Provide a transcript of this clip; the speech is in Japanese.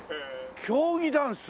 競技ダンス？